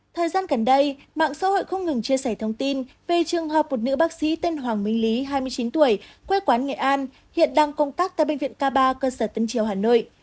thời gian gần đây mạng xã hội không ngừng chia sẻ thông tin về trường hợp một nữ bác sĩ tên hoàng minh lý hai mươi chín tuổi quê quán nghệ an hiện đang công tác tại bệnh viện k ba cơ sở tân triều hà nội